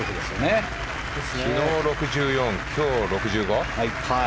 昨日６４、今日６５？